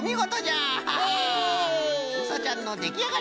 うさちゃんのできあがり！